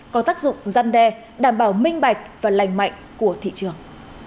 có tác dụng gian đe đảm bảo minh bạch và lành mạnh của thị trường